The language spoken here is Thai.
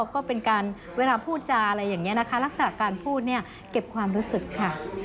ก็เป็นการเวลาพูดจาอะไรอย่างนี้นะคะลักษณะการพูดเนี่ยเก็บความรู้สึกค่ะ